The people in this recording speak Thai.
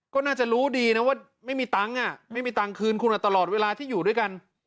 ก็น่าจะรู้ดีนะว่าไม่มีตังค์ไม่มีตังค์คืนคุณตลอดเวลาที่อยู่ด้วยกัน